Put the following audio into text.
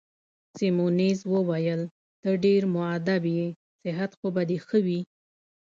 سیمونز وویل: ته ډېر مودب يې، صحت خو به دي ښه وي؟